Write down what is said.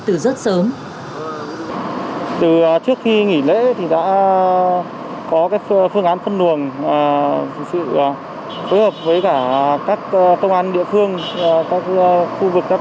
từ sáng sớm cho đến tối mỉt những hàng giao sống vẫn luôn có mặt tại điểm nóng giao thông nơi cửa ngõ thủ đô hà nội